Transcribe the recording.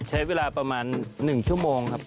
ใช้เวลาประมาณ๑ชั่วโมงครับ